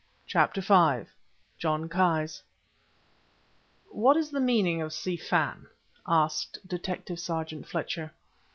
CHAPTER V JOHN KI'S "What is the meaning of Si Fan?" asked Detective sergeant Fletcher.